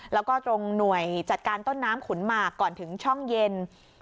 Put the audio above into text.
แล้วก็ตรงหน่วยจัดการต้นน้ำขุนหมากก่อนถึงช่องเย็น